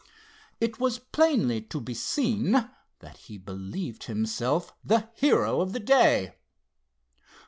It was plainly to be seen that he believed himself the hero of the day.